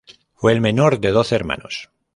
Fue el menor de doce hermanos.